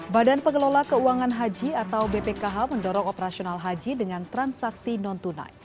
badan pengelola keuangan haji atau bpkh mendorong operasional haji dengan transaksi non tunai